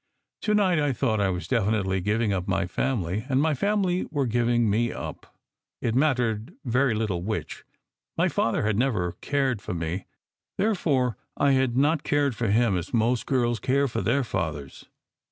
To night, I thought, I was definitely giving up my family, or my family were giving me up, it mattered very little which. My father had never cared for me, therefore I had not cared for him as most girls care for their fathers.